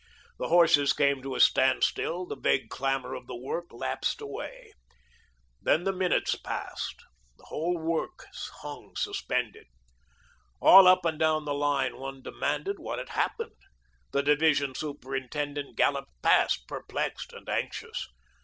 The horses came to a standstill, the vague clamour of the work lapsed away. Then the minutes passed. The whole work hung suspended. All up and down the line one demanded what had happened. The division superintendent galloped past, perplexed and anxious.